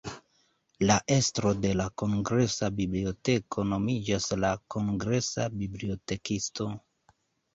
La estro de la Kongresa Biblioteko nomiĝas la Kongresa Bibliotekisto.